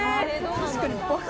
確かに。